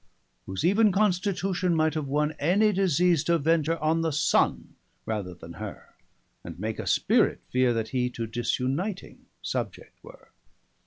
Whose even constitution might have wonne Any disease to venter on the Sunne, Rather then her: and make a spirit feare, That hee to disuniting subject were.